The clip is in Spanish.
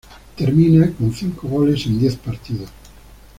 Termina con cinco goles en diez partidos.